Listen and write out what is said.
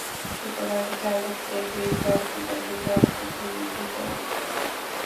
সুতরাং জালিমদের বিভ্রান্তি ব্যতীত আর কিছুই বৃদ্ধি করো না।